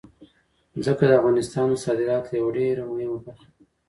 ځمکه د افغانستان د صادراتو یوه ډېره مهمه برخه ده.